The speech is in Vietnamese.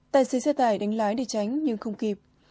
tài xế xe tải đánh lái để tránh nhưng không kịp